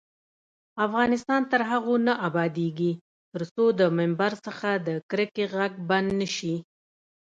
افغانستان تر هغو نه ابادیږي، ترڅو د ممبر څخه د کرکې غږ بند نشي.